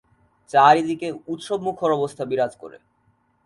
চারিদিকে উৎসব মুখর অবস্থা বিরাজ করে।